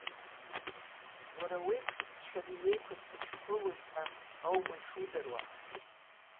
Уара уеиԥш, дшәаны иеиқәа дҭачхәырлоит ҳәа аума ишудыруа?!